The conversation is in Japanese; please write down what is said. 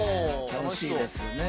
楽しいですよね。